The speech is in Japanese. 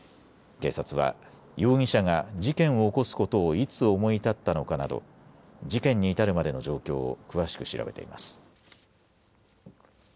警察は容疑者が事件を起こすことをいつ思い立ったのかなど事件に至るまでの状況を詳しく調べています。